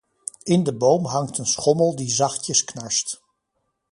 In de boom hangt een schommel die zachtjes knarst.